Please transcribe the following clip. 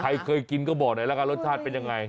ใครเคยกินก็บอกเลยล่ะรสชาติเป็นยังไง